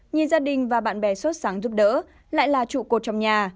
nhìn gia đình và bạn bè xuất sẵn giúp đỡ lại là trụ cột trong nhà